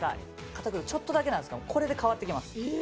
片栗粉ちょっとだけなんですがこれで変わってきます。